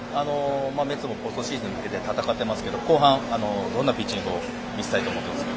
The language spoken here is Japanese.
メッツもポストシーズンに向けて戦っていますが後半、どんなピッチングを見せたいと思っていますか？